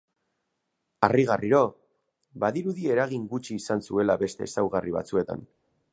Harrigarriro, badirudi eragin gutxi izan zuela beste ezaugarri batzuetan.